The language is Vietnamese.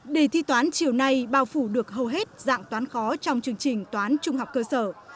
đề thi toán chiều nay bao phủ được hầu hết dạng toán khó trong chương trình toán trung học cơ sở